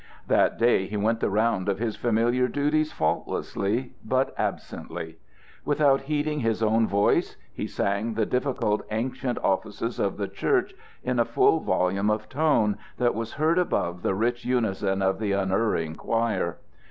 That day he went the round of his familiar duties faultlessly but absently. Without heeding his own voice, he sang the difficult ancient offices of the Church in a full volume of tone, that was heard above the rich unison of the unerring choir.